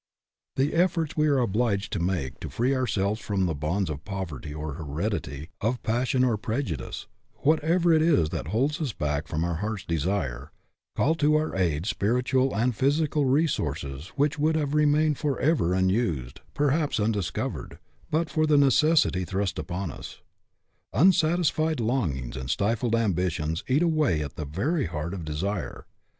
The efforts we are obliged to make to free ourselves from the bonds of poverty or heredity, of passion or prejudice, whatever it is that holds us back from our heart's desire, call to our aid spiritual and physical re sources which would have remained forever unused, perhaps undiscovered, but for the necessity thrust upon us. Unsatisfied longings and stifled ambitions eat away the very heart of desire.